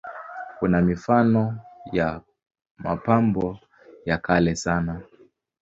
Kuna mifano ya mapambo ya kale sana.